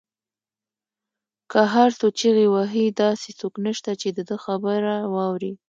که هر څو چیغې وهي داسې څوک نشته، چې د ده خبره واوري